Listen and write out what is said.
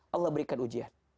allah berikan ujian